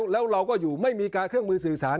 แล้วเราก็อยู่ไม่มีการเครื่องมือสื่อสาร